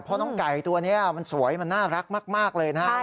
เพราะน้องไก่ตัวนี้มันสวยมันน่ารักมากเลยนะครับ